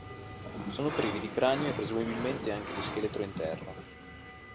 Sono privi di cranio e presumibilmente anche di scheletro interno.